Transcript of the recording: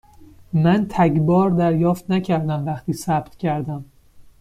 من تگ بار دریافت نکردم وقتی ثبت کردم.